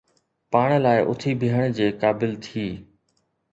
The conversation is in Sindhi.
پاڻ لاء اٿي بيهڻ جي قابل ٿي